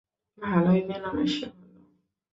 ভালোই মেলামেশা হল।